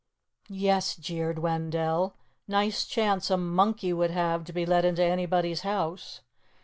"Yes!" jeered Wendell. "Nice chance a monkey would have to be let into anybody's house."